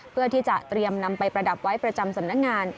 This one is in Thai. เพื่อที่จะเตรียมนำไปประดับไว้ประจำสำนักงาน